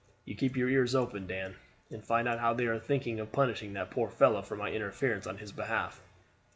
You keep your ears open, Dan, and find out how they are thinking of punishing that poor fellow for my interference on his behalf."